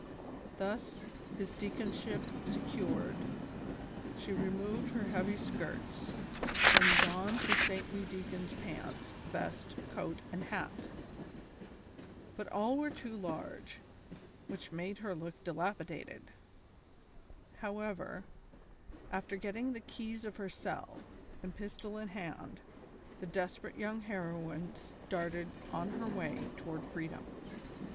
Thus, his deaconship secured, she removed her hea\ y skirts, then donned the saintly deacon's pants, vest, coat and hat ; but all were too large, which made her look dilapidated ; how ever, after getting the keys of her cell, and pistol iu hand, the desperate young heroine started on her way toward freedom.